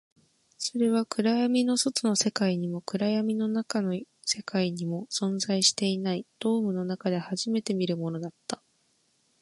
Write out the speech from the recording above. それは暗闇の外の世界にも、暗闇の中の世界にも存在していない、ドームの中で初めて見るものだった